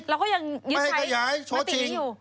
เราก็ยังยึดใช้มตินี้อยู่ไม่ให้ขยายโฉชิง